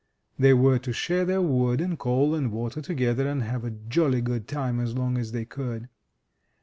They were to share their wood and coal and water together, and have a jolly good time as long as they could.